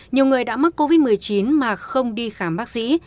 nhiều người đã mắc covid một mươi chín mà không đi khám bác sĩ